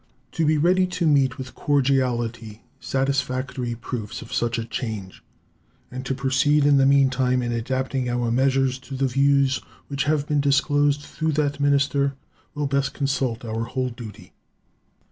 To be ready to meet with cordiality satisfactory proofs of such a change, and to proceed in the mean time in adapting our measures to the views which have been disclosed through that minister will best consult our whole duty.